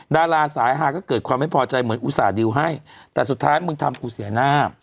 ดาราสายฮาก็เกิดความไม่พอใจเหมือนอุตส่าหิวให้แต่สุดท้ายมึงทำกูเสียหน้า